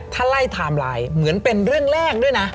ถ้าไล่ไทม์ไลน์เหมือนเป็นเรื่องแรกด้วยนะ